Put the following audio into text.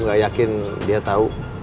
gak yakin dia tahu